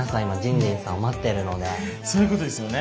そういうことですよね。